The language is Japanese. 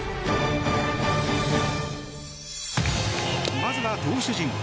まずは、投手陣。